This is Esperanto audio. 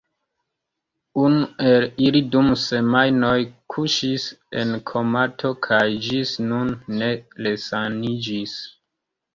Unu el ili dum semajnoj kuŝis en komato kaj ĝis nun ne resaniĝis.